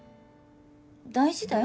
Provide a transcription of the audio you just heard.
大事だよ